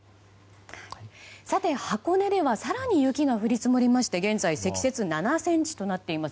さて、箱根では更に雪が降り積もりまして現在積雪７ｃｍとなっています。